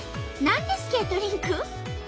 何でスケートリンク？